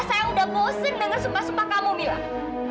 saya udah bosan denger sumpah sumpah kamu bilang